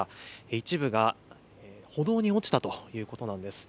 一部が歩道に落ちたということなんです。